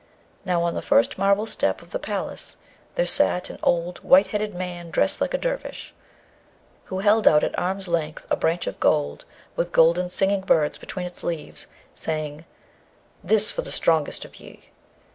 Now, on the first marble step of the palace there sat an old white headed man dressed like a dervish, who held out at arm's length a branch of gold with golden singing birds between its leaves, saying, 'This for the strongest of ye!'